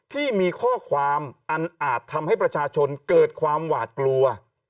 ที่มีข้อความอันอาจทำให้ประชาชนเกิดความหวาดกลัว